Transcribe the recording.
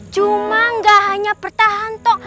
cuma gak hanya pertahanan toh